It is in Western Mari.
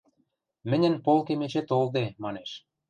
– Мӹньӹн полкем эче толде... – манеш.